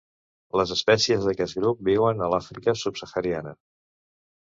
Les espècies d'aquest grup viuen a l'Àfrica subsahariana.